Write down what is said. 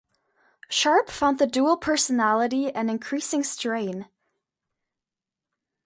Sharp found the dual personality an increasing strain.